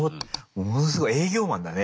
ものすごい営業マンだね